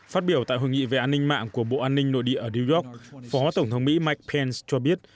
phát biểu tại hội nghị về an ninh mạng của bộ an ninh nội địa ở new york phó tổng thống mỹ mike pence cho biết